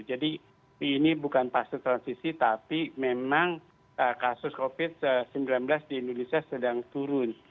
jadi ini bukan pasir transisi tapi memang kasus covid sembilan belas di indonesia sedang turun